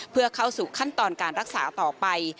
เพื่อเข้าสู่ขั้นตอนการรักษาต่อไป